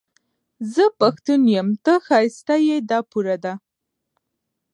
زه پښتون يم، ته ښايسته يې، دا پوره ده